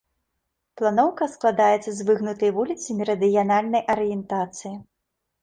Планоўка складаецца з выгнутай вуліцы мерыдыянальнай арыентацыі.